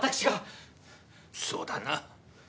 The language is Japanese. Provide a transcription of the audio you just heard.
そうだな。